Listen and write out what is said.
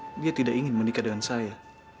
saya merasa dia tidak ingin menikah dengan saya